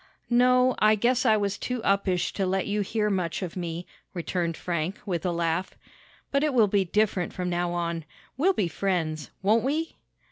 "No, I guess I was too uppish to let you hear much of me," returned Frank, with a laugh. "But it will be different from now on. We'll be friends; won't we?"